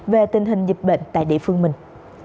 về tình hình nhịp bệnh tại địa phương mình